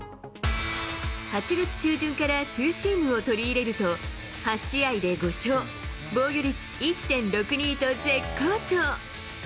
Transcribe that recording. ８月中旬からツーシームを取り入れると、８試合で５勝、防御率１．６２と絶好調。